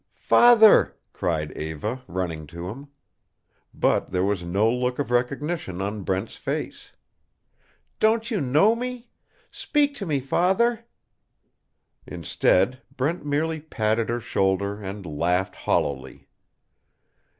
"Father!" cried Eva, running to him. But there was no look of recognition on Brent's face. "Don't you know me? Speak to me! Father!" Instead, Brent merely patted her shoulder and laughed hollowly.